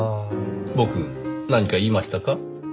僕何か言いましたか？